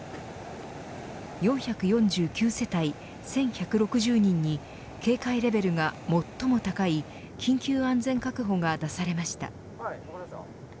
４４９世帯１１６０人に警戒レベルが最も高い緊急安全確保が出されました。